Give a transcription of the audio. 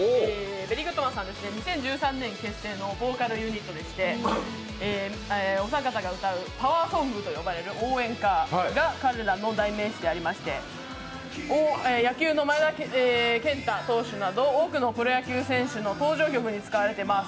２０１３年結成のボーカルユニットでして、お三方が歌うパワーソングと言われる応援歌が彼らの代名詞でありまして、野球の前田健太投手など多くのプロ野球選手の登場曲に使われています。